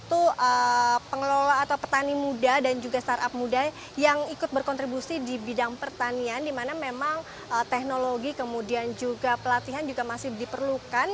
itu pengelola atau petani muda dan juga startup muda yang ikut berkontribusi di bidang pertanian di mana memang teknologi kemudian juga pelatihan juga masih diperlukan